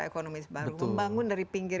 ekonomi baru membangun dari pinggir